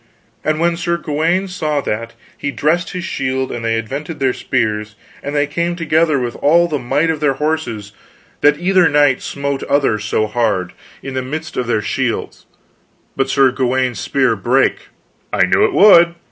And when Sir Gawaine saw that, he dressed his shield, and they aventred their spears, and they came together with all the might of their horses, that either knight smote other so hard in the midst of their shields, but Sir Gawaine's spear brake " "I knew it would."